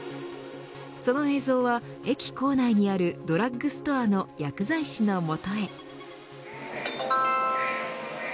その映像は、駅構内にあるドラッグストアの薬剤師のもとへ。